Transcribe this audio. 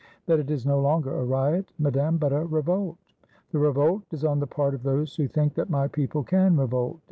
"That it is no longer a riot, Madame, but a revolt." "The revolt is on the part of those who think that my people can revolt!"